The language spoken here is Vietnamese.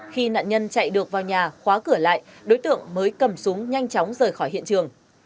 khi nạn nhân chạy được vào nhà khóa cửa lại đối tượng mới cầm súng nhanh chóng rời khỏi hiện trường